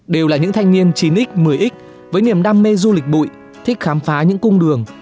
đều là những thanh niên chín x một mươi x với niềm đam mê du lịch bụi thích khám phá những cung đường